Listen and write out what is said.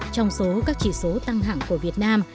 trong số các chỉ số tăng hạng của việt nam